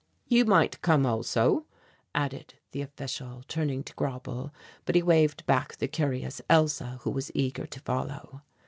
"You might come also," added the official, turning to Grauble, but he waved back the curious Elsa who was eager to follow.